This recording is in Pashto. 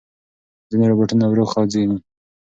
ځینې روباټونه ورو خوځېږي.